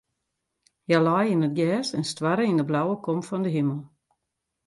Hja lei yn it gjers en stoarre yn de blauwe kom fan de himel.